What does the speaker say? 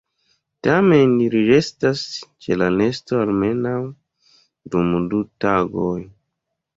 Tamen ili restas ĉe la nesto almenaŭ dum du tagoj.